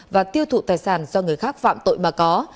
và tiêu thụ tài sản do người khác phạm tội mà có